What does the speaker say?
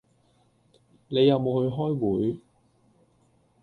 你有冇去開會